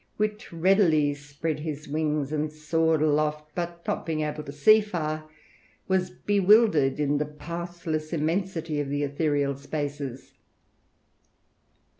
Wit readily spread his wings and soared aloft, but not being able to see far, was bewildered in the pathless immensity of the ethereal spaces.